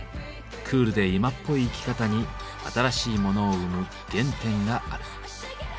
クールで今っぽい生き方に新しいモノを生む原点がある。